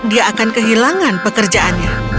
dia akan kehilangan pekerjaannya